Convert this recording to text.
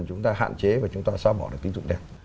chúng ta hạn chế và chúng ta xóa bỏ được tín dụng đen